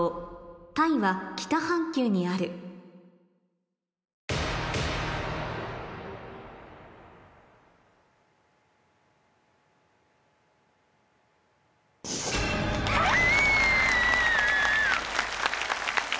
「タイは北半球にある」キャ！